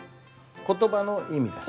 「言葉の意味」です。